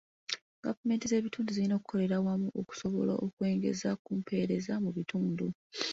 Gavumenti z'ebitundu zirina okukolera awamu okusobola okwengeza ku mpeereza mu bitundu.